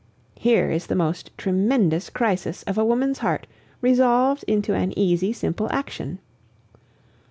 Here is the most tremendous crisis of a woman's heart resolved into an easy, simple action.